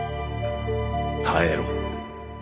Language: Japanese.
耐えろ